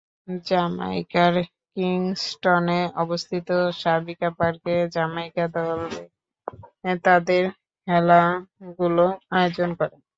জ্যামাইকার কিংস্টনে অবস্থিত সাবিনা পার্কে জ্যামাইকা দল তাদের খেলাগুলো আয়োজন করে।